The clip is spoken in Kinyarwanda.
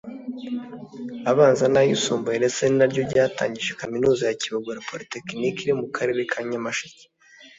abanza n’ayisumbuye ndetse ni naryo ryatangije Kaminuza ya “Kibogora Polytechnic” iri mu Karere ka Nyamashe